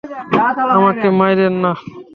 আমাকে মাইরেন না!